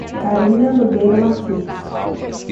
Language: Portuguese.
Carina Nogueira Martins